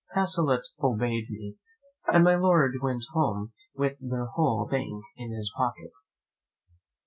Pacolet obeyed me, and my Lord went home with their whole bank in his pocket.